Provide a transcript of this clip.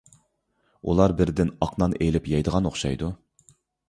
ئۇلار بىردىن ئاق نان ئېلىپ يەيدىغان ئوخشايدۇ.